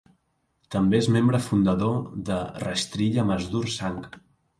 També és membre fundador de Rashtriya Mazdoor Sangh.